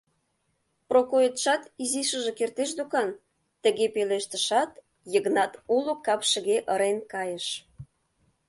Прокоетшат изишыже кертеш докан? — тыге пелештышат, Йыгнат уло капшыге ырен кайыш.